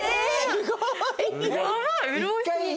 すごい。